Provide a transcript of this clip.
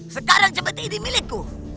sekarang jemati ini milikku